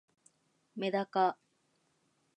めだか